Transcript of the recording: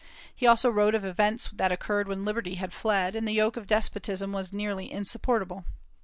He also wrote of events that occurred when liberty had fled, and the yoke of despotism was nearly insupportable.